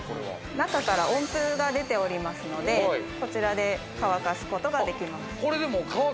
中から温風が出ておりますので、こちらで乾かすことができます。